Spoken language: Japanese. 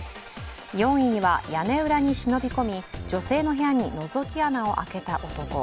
４位には屋根裏に忍び込み女性の部屋にのぞき穴を開けた男。